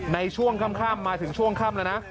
ในช่วงค่ำมาถึงช่วงค่ำแล้วนะ